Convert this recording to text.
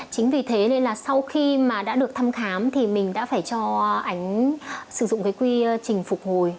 chính vì thế nên là sau khi mà đã được thăm khám thì mình đã phải cho ánh sử dụng cái quy trình phục hồi